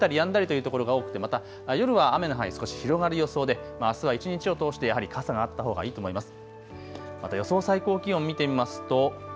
降ったりやんだりという所が多くて、また夜は雨の範囲、少し広がる予想で、あすは一日を通してやはり傘があったほうがいいと思います。